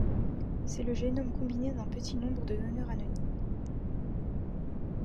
C'est le génome combiné d'un petit nombre de donneurs anonymes.